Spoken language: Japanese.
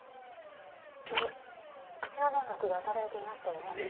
いえ口の粘膜がただれていましたよね。